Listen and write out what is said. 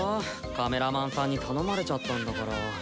カメラマンさんに頼まれちゃったんだから。